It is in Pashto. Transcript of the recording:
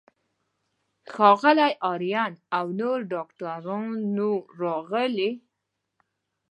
ښاغلی آرین او نورو ډاکټرانو راغلل.